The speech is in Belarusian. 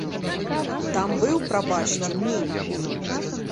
Там быў, прабачце, мім!